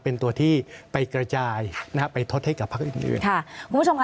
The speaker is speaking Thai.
เป็นตัวที่ไปกระจายนะครับ้ไปทดให้กับพักอื่นอย่าง